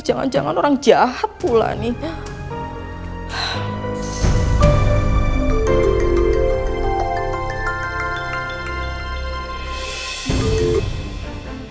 jangan jangan orang jahat pula nih ya